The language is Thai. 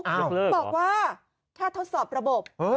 บอกว่าถ้าทดสอบระบบ